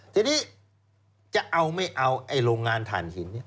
ทีนี้จะเอาไม่เอาไอ้โรงงานฐานหิน